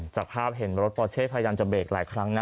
จากภาพเห็นรถปอเช่พยายามจะเบรกหลายครั้งนะ